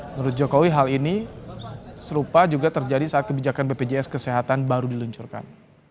menurut jokowi hal ini serupa juga terjadi saat kebijakan bpjs kesehatan baru diluncurkan